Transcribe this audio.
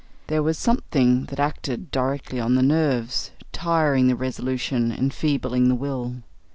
There was something that acted directly on the nerves, tiring the resolution, enfeebling the will.